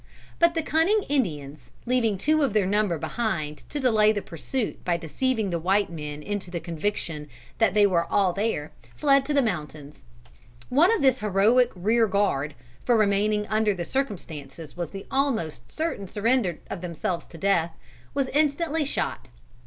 But the cunning Indians, leaving two of their number behind to delay the pursuit by deceiving the white men into the conviction that they all were there, fled to the mountains. One of this heroic rear guard for remaining under the circumstances was the almost certain surrender of themselves to death was instantly shot.